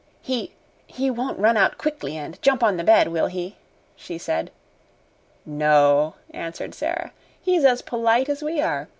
"He he won't run out quickly and jump on the bed, will he?" she said. "No," answered Sara. "He's as polite as we are.